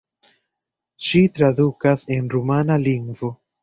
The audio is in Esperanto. Ŝi tradukas el rumana lingvo.